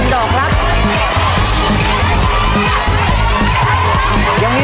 ดี